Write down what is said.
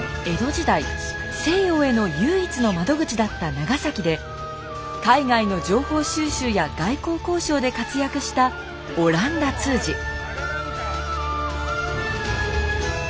江戸時代西洋への唯一の窓口だった長崎で海外の情報収集や外交交渉で活躍した阿蘭陀通詞。